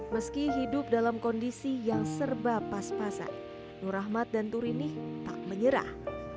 meski hidup dalam kondisi yang serba pas pasan nur rahmat dan turini tak menyerah